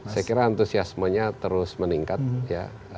saya kira antusiasmenya terus meningkat ya